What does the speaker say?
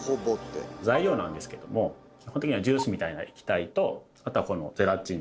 材料なんですけれども基本的にはジュースみたいな液体とあとはこの「ゼラチン」。